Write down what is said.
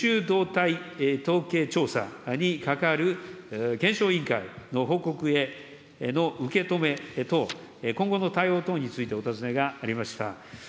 動態統計調査にかかわる検証委員会の報告への受け止め等、今後の対応等についてお尋ねがありました。